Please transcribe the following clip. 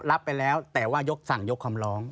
รับไปแล้วแต่ว่ายกสั่งยกคำร้อง